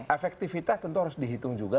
efektivitas tentu harus dihitung juga